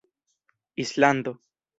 islando